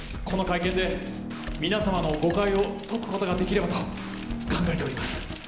この会見で皆様の誤解を解くことができればと考えております。